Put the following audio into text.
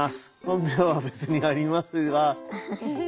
本名は別にありますが。